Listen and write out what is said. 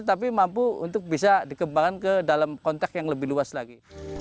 tapi mampu untuk bisa dikembangkan ke dalam kontak yang lebih luas lagi